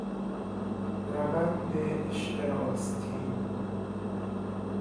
روند عشق راستین